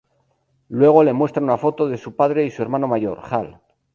Luego le muestra una foto de su padre y su hermano mayor, Hal.